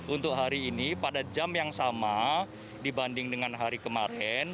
untuk hari ini pada jam yang sama dibanding dengan hari kemarin